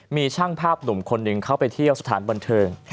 มีช่างภาพหนุ่มคนหนึ่งเข้าไปเที่ยวสถานบันเทิง